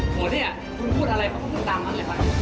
โหเนี่ยคุณพูดอะไรเขาก็พูดตามมันเลยค่ะ